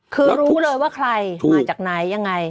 คือรู้เลยว่าใครมาจากไหนยังไง